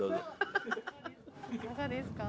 いかがですか？